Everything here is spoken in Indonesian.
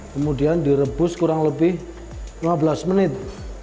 kemudian direbus kurang lebih lima belas menit